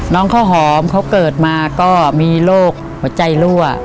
น้องข้าวหอมเขาเกิดมาก็มีโรคหัวใจรั่ว